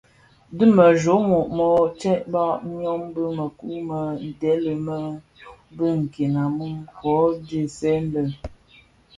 Dhi me jommog mōō tsebbag myom bi mëkuu më ndhèli më bi nken a mum kō dhesè lè.